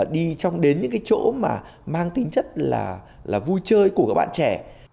đi trong đến những cái chỗ mà mang tinh chất là vui chơi của các bạn trẻ